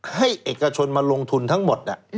ให้เอกชนมาลงทุนทั้งหมด